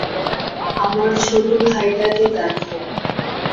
আমার ছোট ভাইটাকে দেখ!